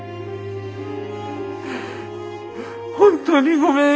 本当にごめん。